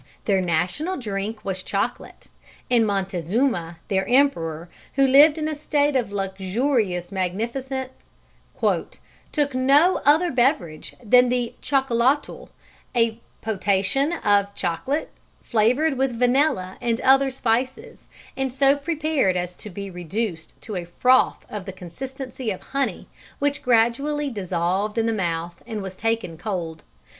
Their national drink was chocolate, and Montezuma, their Emperor, who lived in a state of luxurious magnificence, "took no other beverage than the chocolatl, a potation of chocolate, flavoured with vanilla and other spices, and so prepared as to be reduced to a froth of the consistency of honey, which gradually dissolved in the mouth and was taken cold.